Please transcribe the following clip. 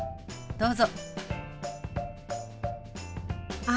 どうぞ。